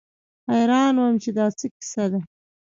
حيران وم چې دا څه کيسه ده.